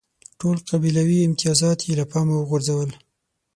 ټول قبیلوي امتیازات یې له پامه وغورځول.